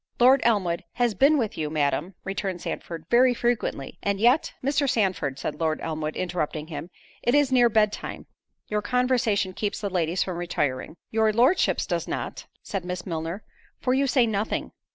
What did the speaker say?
"Lord Elmwood has been with you, Madam," returned Sandford, "very frequently, and yet—" "Mr. Sandford," said Lord Elmwood, interrupting him, "it is near bed time, your conversation keeps the ladies from retiring." "Your Lordship's does not," said Miss Milner, "for you say nothing."